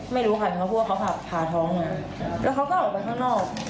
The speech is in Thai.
ไม่รู้ค่ะเขาพูดว่าเขาขับผ่าท้องมาแล้วเขาก็ออกไปข้างนอก